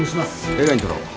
Ａラインとろう。